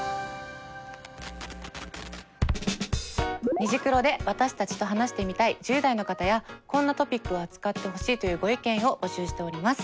「虹クロ」で私たちと話してみたい１０代の方やこんなトピックを扱ってほしいというご意見を募集しております。